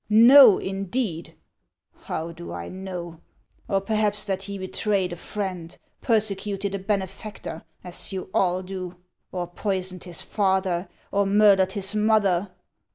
" No, indeed !"" How do I know ? Or perhaps that he betrayed a friend, persecuted a benefactor, as you all do ; or poisoned his father, or murdered his mother